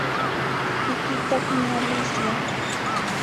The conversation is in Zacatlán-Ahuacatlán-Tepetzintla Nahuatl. Tiquitoc n Alicia.